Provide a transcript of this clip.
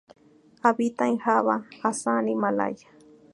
Habita en Java, Assam y Malaya.